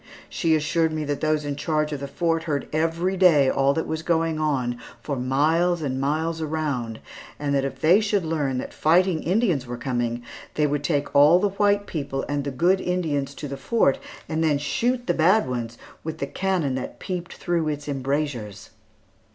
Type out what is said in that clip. She assured me that those in charge of the Fort heard every day all that was going on for miles and miles around, and that if they should learn that fighting Indians were coming, they would take all the white people and the good Indians into the fort, and then shoot the bad ones with the cannon that peeped through its embrasures.